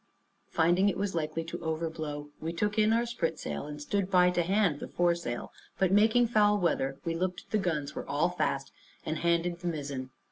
Finding it was likely to overblow, we took in our sprit sail, and stood by to hand the foresail; but, making foul weather, we looked the guns were all fast, and handed the mizzen.